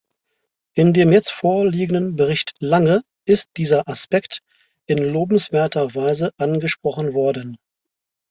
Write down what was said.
In dem jetzt vorliegenden Bericht Lange ist dieser Aspekt in lobenswerter Weise angesprochen worden.